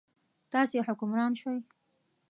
تاسې حکمران شوئ.